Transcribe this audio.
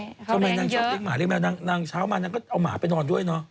ทำไมนางชอบเลี้ยหมาเลี้ยแมวนางเช้ามานางก็เอาหมาไปนอนด้วยเนอะ